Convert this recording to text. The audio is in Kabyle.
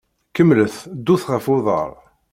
Kemmlet ddut ɣef uḍaṛ.